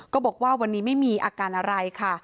ก็บอกว่าวันนี้ไม่มีอาการอะไรค่ะ